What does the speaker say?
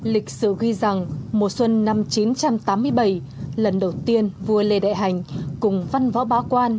lịch sử ghi rằng mùa xuân năm một nghìn chín trăm tám mươi bảy lần đầu tiên vua lê đại hành cùng văn võ bá quan